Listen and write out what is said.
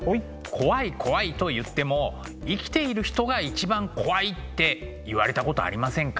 怖い怖いと言っても生きている人が一番怖いって言われたことありませんか？